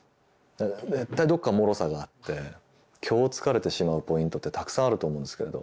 絶対どこかもろさがあって虚をつかれてしまうポイントってたくさんあると思うんですけれど。